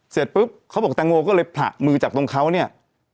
เสร็จปุ๊บเขาบอกแตงโมก็เลยผละมือจากตรงเขาเนี่ย